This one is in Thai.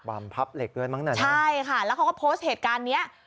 ำพับเหล็กด้วยมั้งน่ะนะใช่ค่ะแล้วเขาก็โพสต์เหตุการณ์เนี้ย